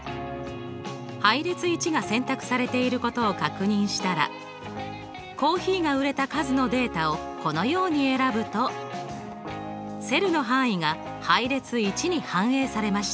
配列１が選択されていることを確認したらコーヒーが売れた数のデータをこのように選ぶとセルの範囲が配列１に反映されました。